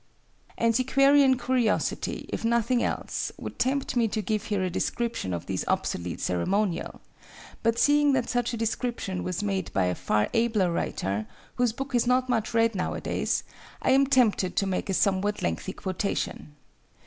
Antiquarian curiosity, if nothing else, would tempt me to give here a description of this obsolete ceremonial; but seeing that such a description was made by a far abler writer, whose book is not much read now a days, I am tempted to make a somewhat lengthy quotation.